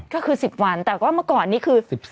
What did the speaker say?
ก็คือ๑๐วันแต่ว่าเมื่อก่อนนี้คือ๑๔